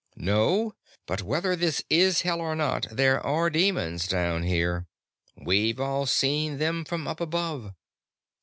"No, but whether this is Hell or not, there are demons down here. We've all seen them from up above.